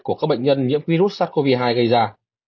của các bệnh nhân nhiễm virus sars cov hai gây ra